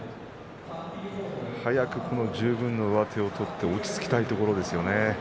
早く十分な上手を取って落ち着きたいところですね。